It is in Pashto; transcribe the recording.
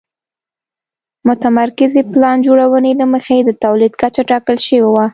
متمرکزې پلان جوړونې له مخې د تولید کچه ټاکل شوې وه.